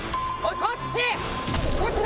こっちだ！